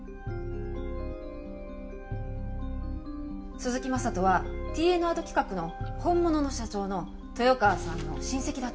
鈴木昌人はＴＮａｄ企画の本物の社長の豊川さんの親戚だったんです。